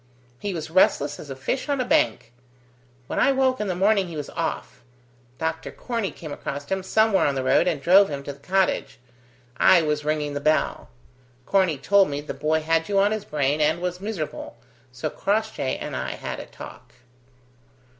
He was restless as a fish on a bank. When I woke in the morning he was off. Doctor Corney came across him somewhere on the road and drove him to the cottage. I was ringing the bell. Corney told me the boy had you on his brain, and was miserable, so Crossjay and I had a talk."